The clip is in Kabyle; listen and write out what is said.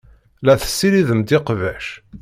La tessiridemt iqbac.